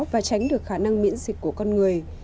và tránh được khả năng miễn dịch của con người